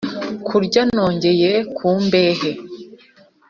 Kurya nogeye ku mbehe